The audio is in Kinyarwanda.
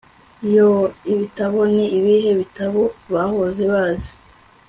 Yoo ibitabo ni ibihe bitabo bahoze bazi